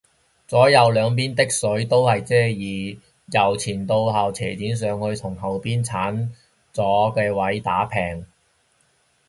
左右兩邊的水都係遮耳，由前到後斜剪上去到同後面剷咗嘅位打平